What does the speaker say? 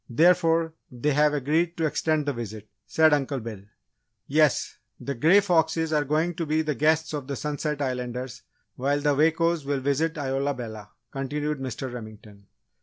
Therefore, they have agreed to extend the visit," said Uncle Bill. "Yes, the Grey Foxes are going to be the guests of the Sunset Islanders, while the Wakos will visit Isola Bella," continued Mr. Remington.